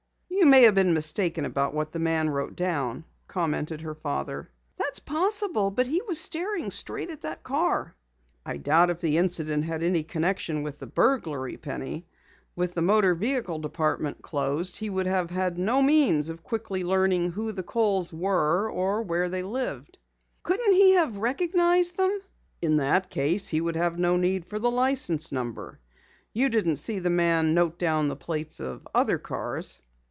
"You may have been mistaken about what the man wrote down," commented her father. "That's possible, but he was staring straight at the car." "I doubt if the incident had any connection with the burglary, Penny. With the Motor Vehicle Department closed, he would have had no means of quickly learning who the Kohls were or where they lived." "Couldn't he have recognized them?" "In that case he would have no need for the license number. You didn't see the man note down the plates of other cars?"